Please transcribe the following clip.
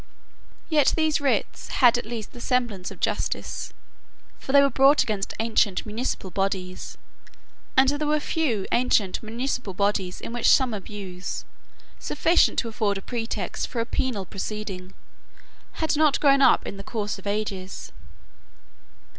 Yet those writs had at least the semblance of justice; for they were brought against ancient municipal bodies; and there were few ancient municipal bodies in which some abuse, sufficient to afford a pretext for a penal proceeding, had not grown up in the course of ages.